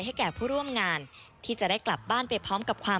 ไม่รู้นะมาเจอกันมาเจอกัน